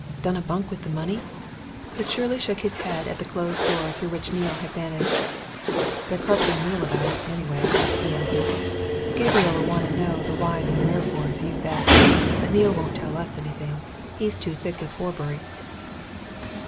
"Done a bunk with the money?" But Shirley shook his head at the closed door through which Neale had vanished. "They're carpeting Neale about it, anyhow," he answered. "Gabriel'll want to know the whys and wherefores, you bet. But Neale won't tell us anything he's too thick with Horbury."